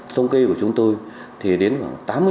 thông kê của chúng tôi thì đến khoảng tám mươi